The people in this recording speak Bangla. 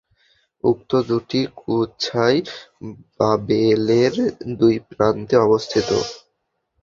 উক্ত দুটি কুছায় বাবেলের দুই প্রান্তে অবস্থিত।